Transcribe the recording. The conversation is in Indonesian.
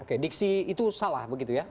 oke diksi itu salah begitu ya